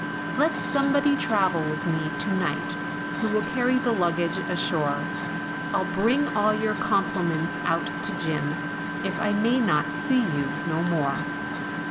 "Let somebody travel with me to night, Who will carry the luggage ashore, I'll bring all your compliments out to Jim, If I may not see you no more."